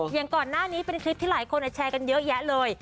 อย่างก่อนหน้านี้เป็นคลิปที่หลายคนแชร์กันเยอะแยะเลย